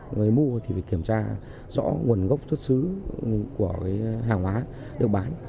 người mua thì phải kiểm tra rõ nguồn gốc xuất xứ của hàng hóa được bán